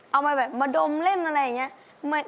มาแบบมาดมเล่นอะไรอย่างนี้